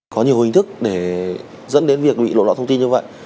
có nhiều hình thức để dẫn đến việc bị lộ thông tin như vậy